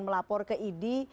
melapor ke idi